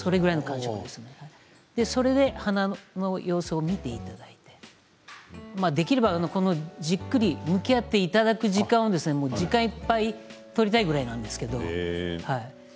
花の様子を見ていただいてできれば、じっくり向き合っていただく時間を時間いっぱい取りたいぐらいなんですけど。